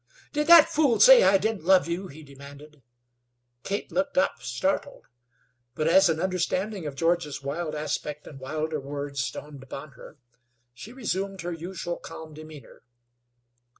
"Did that fool say I didn't love you?" he demanded. Kate looked up, startled; but as an understanding of George's wild aspect and wilder words dawned upon her, she resumed her usual calm demeanor.